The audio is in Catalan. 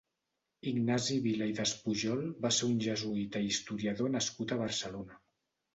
Ignasi Vila i Despujol va ser un jesuïta i historiador nascut a Barcelona.